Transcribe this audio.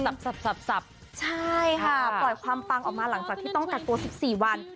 ซับซับซับซับใช่ค่ะปล่อยความปังออกมาหลังจากที่ต้องกัดตัวสิบสี่วัน